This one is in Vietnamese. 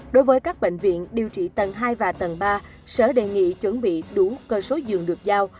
đối với các bệnh viện điều trị tầng hai và tầng ba sở đề nghị chuẩn bị đủ cơ số giường được giao